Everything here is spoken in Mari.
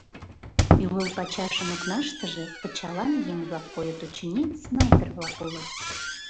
Ӱлыл пачашын окнаштыже пычалан еҥ-влак койыт, очыни, снайпер-влак улыт.